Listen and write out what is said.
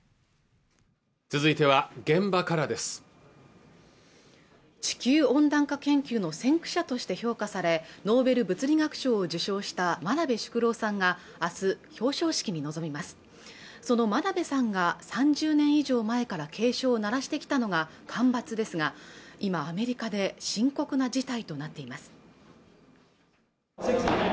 続いては「現場から」です地球温暖化研究の先駆者として評価されノーベル物理学賞を受賞した真鍋淑郎さんが明日表彰式に臨みますその真鍋さんが３０年以上前から警鐘を鳴らしてきたのが干ばつですが今アメリカで深刻な事態となっています